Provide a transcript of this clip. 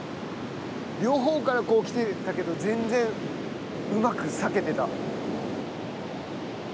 両方から来てたけど全然うまく避けてた。